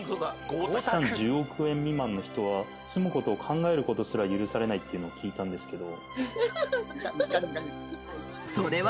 資産１０億円未満の人は住む事を考える事すら許されないっていうのを聞いたんですけど。